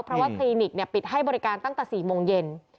เพราะว่าคลินิกปิดให้บริการตั้งแต่๔โมงเย็น